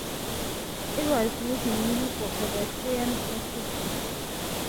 It was used mainly for pedestrian crossing.